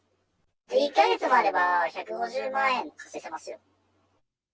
１か月もあれば１５０万円稼げますよ。